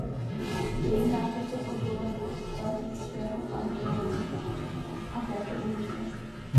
Její název je odvozen od pařížského Pantheonu a této ulice.